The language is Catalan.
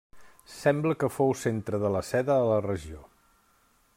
Sembla que fou centre de la seda a la regió.